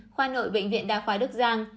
khoa nội bệnh viện đa khoái đức giang